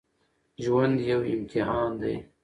ژوند يو امتحان دی